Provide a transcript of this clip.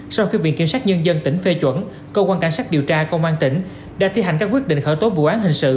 sau khi viện kiểm sát nhân dân tỉnh phê chuẩn cơ quan cảnh sát điều tra công an tỉnh đã thi hành các quyết định khởi tố vụ án hình sự